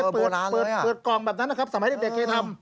เปิดกล่องแบบนั้นนะครับสมัยเด็กเคยทำ